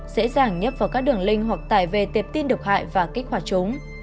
dễ dàng nhấp vào các đường link hoặc tải về tệp tin độc hại và kích hoạt chúng